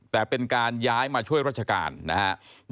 แต่เป็นการย้ายมาช่วยราชการนะครับ